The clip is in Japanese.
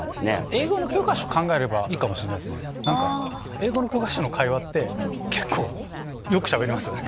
英語の教科書の会話って結構よくしゃべりますよね。